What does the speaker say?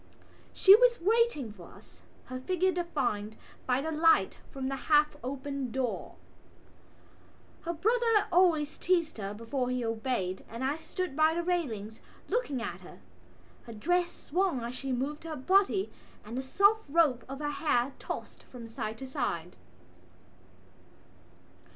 She was waiting for us, her figure defined by the light from the half opened door. Her brother always teased her before he obeyed and I stood by the railings looking at her. Her dress swung as she moved her body and the soft rope of her hair tossed from side to side.